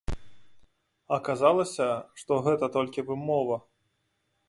Аказалася, што гэта толькі вымова.